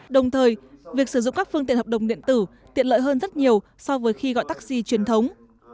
đồng thời việc sử dụng các phương tiện hợp đồng điện tử tiện lợi hơn rất nhiều so với khi gọi taxi truyền thống